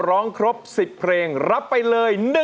ร้องครบ๑๐เพลงรับไปเลย